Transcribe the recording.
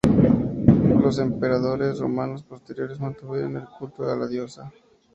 Los emperadores romanos posteriores mantuvieron el culto a la diosa.